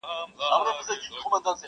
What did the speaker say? او د پېښي په اړه بېلابېل نظرونه ورکوي-